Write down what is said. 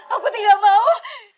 aku tidak mau